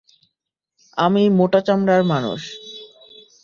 আমি মোটা চামড়ার মানুষ।